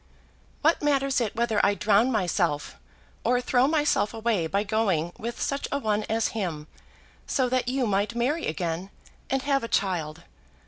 "] "What matters it whether I drown myself, or throw myself away by going with such a one as him, so that you might marry again, and have a child?